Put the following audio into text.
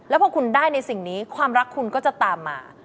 แล้วพอคุณได้ในสิ่งนี้ความรักคุณก็จะตามมา